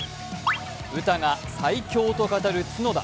詩が最強と語る角田。